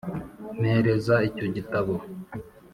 - mpereza icyo gitabo.